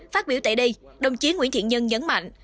phát biểu tại đây đồng chí nguyễn thiện nhân nhấn mạnh